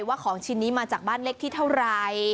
ว่าของชิ้นนี้มาจากบ้านเล็กที่เท่าไหร่